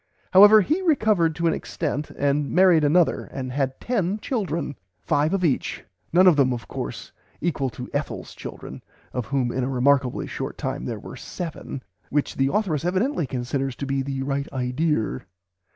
However he recovered to an extent and married Another and had ten children, "five of each," none of them of course equal to Ethel's children, of whom in a remarkably short time there were seven, which the authoress evidently considers to be the right "idear."